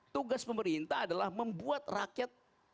tugas pemerintah adalah membuat rakyat